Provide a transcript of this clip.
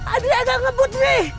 aduh agak ngebut nih